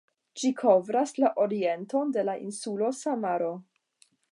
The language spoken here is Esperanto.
Ĝi kovras la orienton de la insulo Samaro.